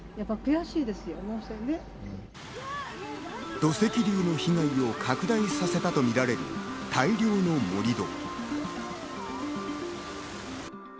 土石流の被害を拡大させたとみられる大量の盛り土。